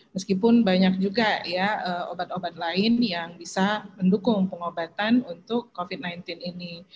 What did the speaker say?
meskipun banyak juga ya obat obat lain yang bisa mendukung pengobatan untuk covid sembilan belas ini